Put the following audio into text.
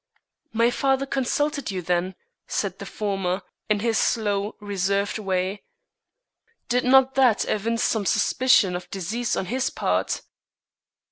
"My father consulted you, then?" said the former, in his slow, reserved way. "Did not that evince some suspicion of disease on his part?"